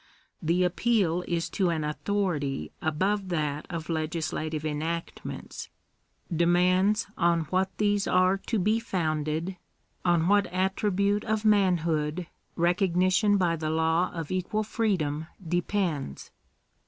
The appeal is to an authority above that of legislative enactments — demands on what these are to be founded — on what attribute of man hood recognition by the law of equal freedom depends.